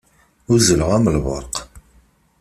Uzzleɣ am lberq.